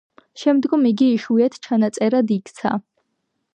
შემდგომ იგი იშვიათ ჩანაწერად იქცა.